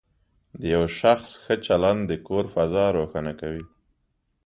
د یو شخص ښه چلند د کور فضا روښانه کوي.